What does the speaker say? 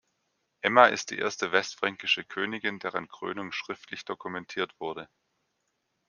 Emma ist die erste westfränkische Königin deren Krönung schriftlich dokumentiert wurde.